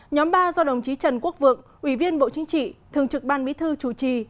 nhóm ba do đồng chí trần quốc vượng ủy viên bộ chính trị thường trực ban bí thư chủ trì